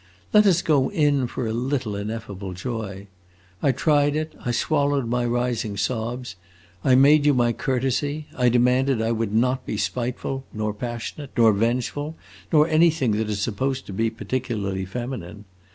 Let us go in for a little ineffable joy!' I tried it; I swallowed my rising sobs, I made you my courtesy, I determined I would not be spiteful, nor passionate, nor vengeful, nor anything that is supposed to be particularly feminine.